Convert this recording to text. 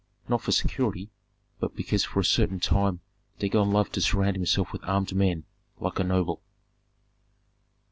Not for security, but because for a certain time Dagon loved to surround himself with armed men, like a noble.